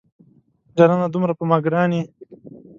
جانانه دومره په ما ګران یې